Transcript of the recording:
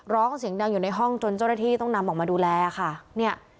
ร้องเสียงดังอยู่ในห้องจนเจ้าหน้าที่ต้องนำออกมาดูแลค่ะเนี่ย